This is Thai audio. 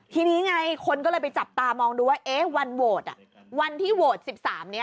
ทีนี้ไงคนก็เลยไปจับตามองดูว่าเอ๊ะวันโหวตวันที่โหวต๑๓นี้